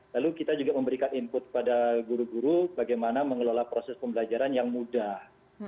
lalu kita juga memberikan input kepada guru guru bagaimana mengelola proses pembelajaran yang mudah